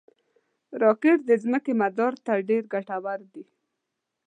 راکټ د ځمکې مدار ته ډېر ګټور دي